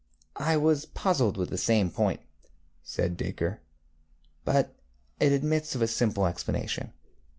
ŌĆØ ŌĆ£I was puzzled with the same point, ŌĆØ said Dacre, ŌĆ£but it admits of a simple explanation.